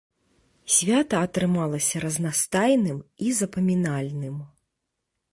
Свята атрымалася разнастайным і запамінальным.